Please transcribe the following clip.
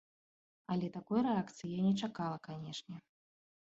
Але такой рэакцыі я не чакала, канечне.